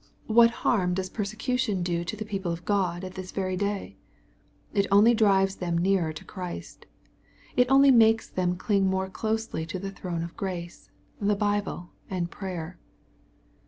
— What harm does persecution 402 BXP08IT0BT THOUGHTS. do the people of God at this veiy day ? It only diives them nearer to Christ. It only makes them cling more closely to the throne of grace, the Bible, and prayer.